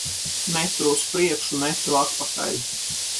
Metru uz priekšu, metru atpakaļ.